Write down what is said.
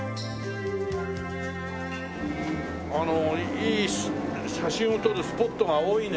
いい写真を撮るスポットが多いね